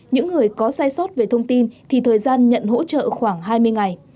những người có sai sót về thông tin thì thời gian nhận hỗ trợ khoảng hai mươi ngày